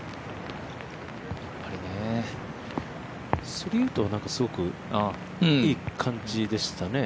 ３ウッドはすごくいい感じでしたね。